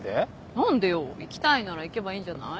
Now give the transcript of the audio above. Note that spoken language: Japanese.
何でよ行きたいなら行けばいいんじゃない？